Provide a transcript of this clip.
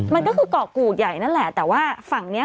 มันก็คือเกาะกูดใหญ่นั่นแหละแต่ว่าฝั่งเนี้ย